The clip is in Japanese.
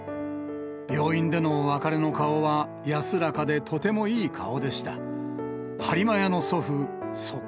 病院での別れの顔は、安らかでとてもいい顔でした。